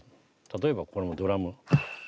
例えばこのドラム。